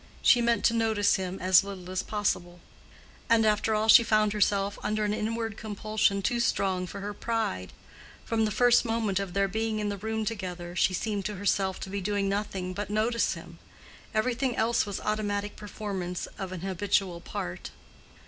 She meant to notice him as little as possible. And after all she found herself under an inward compulsion too strong for her pride. From the first moment of their being in the room together, she seemed to herself to be doing nothing but notice him; everything else was automatic performance of an habitual part.